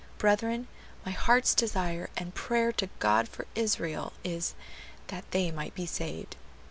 Brethren, my heart's desire and prayer to God for Israel is, that they might be saved."